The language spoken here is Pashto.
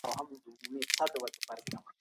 پانګه وال نظام د فردي ملکیت له امله رامنځته سو.